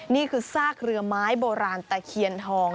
นี่คือซากเรือไม้โบราณตะเคียนทอง